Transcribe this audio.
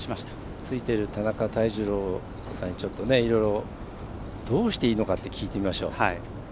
ついている田中泰二郎さんにいろいろ、どうしていいのかって聞いてみましょう。